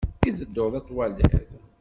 I tedduḍ ad twaliḍ?